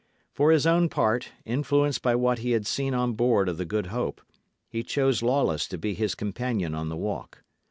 For his own part, influenced by what he had seen on board of the Good Hope, he chose Lawless to be his companion on the walk.